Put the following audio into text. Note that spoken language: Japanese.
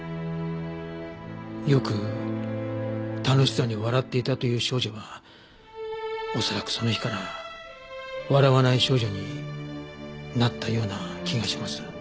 よく楽しそうに笑っていたという少女は恐らくその日から笑わない少女になったような気がします。